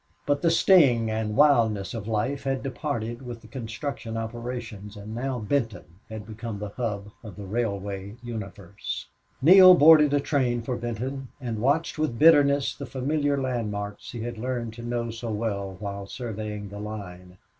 But the sting and wildness of life had departed with the construction operations, and now Benton had become the hub of the railway universe. Neale boarded a train for Benton and watched with bitterness the familiar landmarks he had learned to know so well while surveying the line.